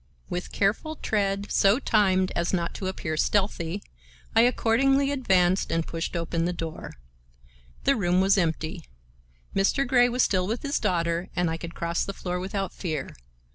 With careful tread, so timed as not to appear stealthy, I accordingly advanced and pushed open the door. The room was empty. Mr. Grey was still with his daughter and I could cross the floor without fear.